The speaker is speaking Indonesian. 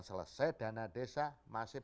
selesai dana desa masih